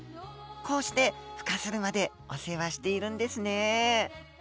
こうして孵化するまでお世話しているんですね。